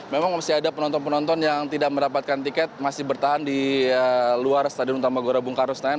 memang masih ada penonton penonton yang tidak mendapatkan tiket masih bertahan di luar stadion utama gelora bung karno senayan